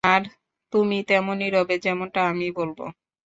আর তুমি তেমনই রবে, যেমনটা আমি বলব।